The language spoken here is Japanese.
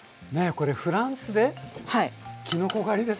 これフランスできのこ狩りですか？